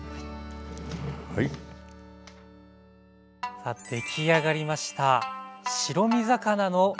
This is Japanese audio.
さあ出来上がりました。